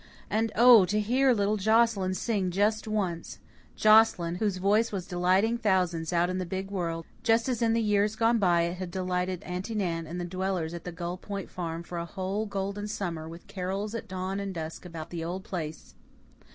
And oh, to hear little Joscelyn sing just once Joscelyn, whose voice was delighting thousands out in the big world, just as in the years gone by it had delighted Aunty Nan and the dwellers at the Gull Point Farm for a whole golden summer with carols at dawn and dusk about the old place!